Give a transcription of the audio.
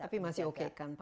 tapi masih oke kan